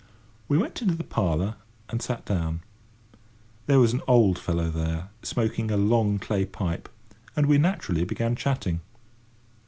We went into the parlour and sat down. There was an old fellow there, smoking a long clay pipe, and we naturally began chatting.